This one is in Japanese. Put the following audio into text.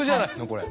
これ。